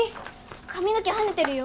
髪の毛はねてるよ。